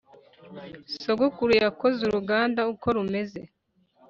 [sogokuru yakoze uruganda uko rumeze